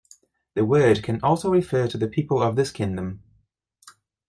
The word can also refer to the people of this kingdom.